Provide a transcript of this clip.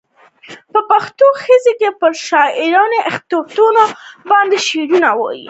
په پښتو کښي پر شعري اختیاراتو باندي کار نه دئ سوى.